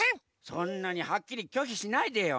そんなにはっきりきょひしないでよ。